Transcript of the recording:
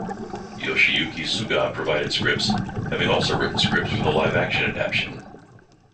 Yoshiyuki Suga provided scripts, having also written scripts for the Live Action adaption.